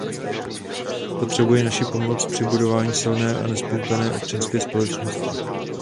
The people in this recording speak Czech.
Potřebují naši pomoc při budování silné a nespoutané občanské společnosti.